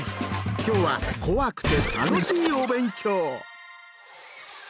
今日は怖くて楽しいお勉強。